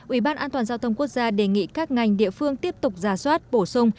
ủy ban an toàn giao thông quốc gia đề nghị các ngành địa phương tiếp tục giả soát bổ sung